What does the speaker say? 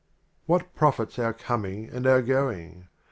What profits our Coming and our Going